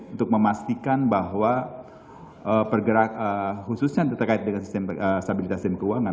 untuk memastikan bahwa pergerakan khususnya terkait dengan sistem stabilitas dan keuangan